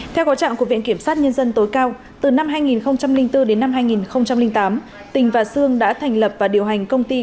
theo có trạng của viện kiểm sát nhân dân tối cao từ năm hai nghìn bốn đến năm hai nghìn tám tỉnh và xương đã thành lập và điều hành công ty